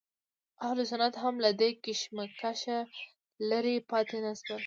اهل سنت هم له دې کشمکشه لرې پاتې نه شول.